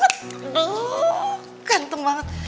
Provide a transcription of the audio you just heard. aduh ganteng banget